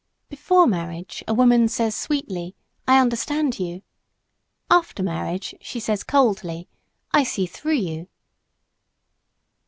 Before marriage a woman says sweetly, "I understand you!" After marriage she says coldly, "I see through you!"